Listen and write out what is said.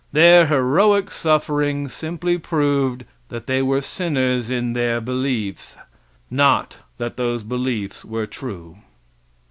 Their heroic suffering simply proved that they were sinners in their beliefs, not that those beliefs were true.